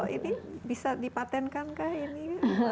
jadi kalau ini bisa dipatenkan kah ini